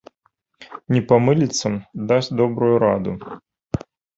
Не памыліцца, дасць добрую раду.